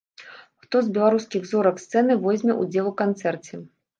Хто з беларускіх зорак сцэны возьме ўдзел у канцэрце?